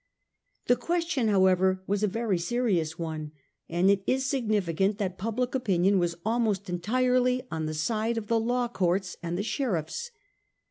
The question, however, was a very serious one ; and it is significant that public opinion was almost entirely on the side of the law courts and the sheriffs.